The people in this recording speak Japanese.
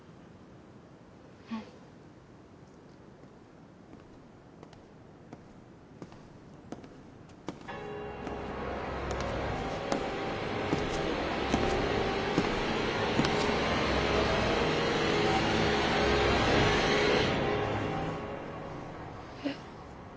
うん。えっ？